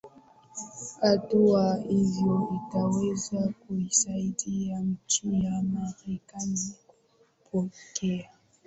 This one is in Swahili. hatua hiyo itaweza kuisaidia nchi ya marekani kukoboa u